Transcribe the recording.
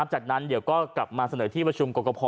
จากนั้นเดี๋ยวก็กลับมาเสนอที่ประชุมกรกภ